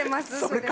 それ。